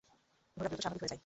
ঘোড়া দ্রুত স্বাভাবিক হয়ে যায়।